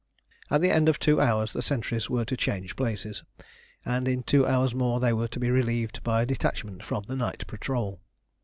At the end of two hours the sentries were to change places, and in two hours more they were to be relieved by a detachment from the night patrol.